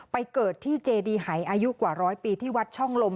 ไปเกิดที่เจดีหายอายุกว่าร้อยปีที่วัดช่องลม